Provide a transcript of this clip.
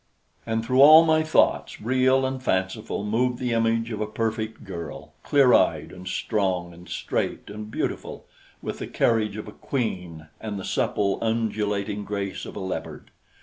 And through all my thoughts, real and fanciful, moved the image of a perfect girl, clear eyed and strong and straight and beautiful, with the carriage of a queen and the supple, undulating grace of a leopard.